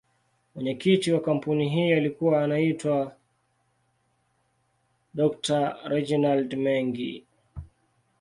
Mwenyekiti wa kampuni hii alikuwa anaitwa Dr.Reginald Mengi.